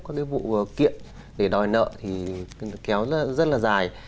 các cái vụ kiện để đòi nợ thì kéo rất là dài